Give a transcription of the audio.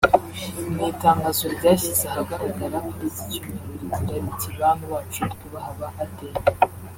Mu itangazo ryashyize ahagaragara kuri iki Cyumweru rigira riti “Bantu bacu twubaha ba Aden